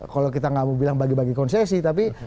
kalau kita nggak mau bilang bagi bagi konsesi tapi